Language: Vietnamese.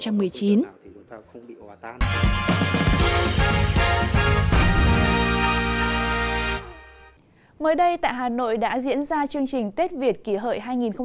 mới đây tại hà nội đã diễn ra chương trình tết việt kỷ hợi hai nghìn một mươi chín